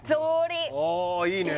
ああいいね